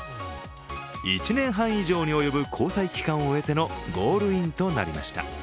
１年半以上におよぶ交際期間を経てのゴールインとなりました。